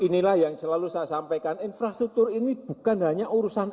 inilah yang selalu saya sampaikan infrastruktur ini bukan hanya urusan